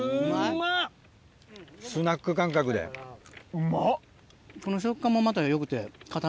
うまっ！